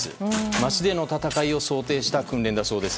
街での戦いを想定した訓練だそうです。